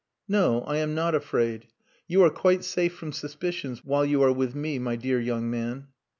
"No, I am not afraid. You are quite safe from suspicions while you are with me, my dear young man."